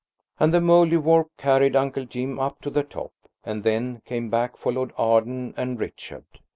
And the Mouldiwarp carried Uncle Jim up to the top, and then came back for Lord Arden and Richard.